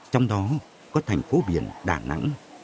trong đó có thành phố biển đà nẵng